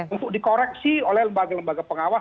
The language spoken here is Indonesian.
untuk dikoreksi oleh lembaga lembaga pengawas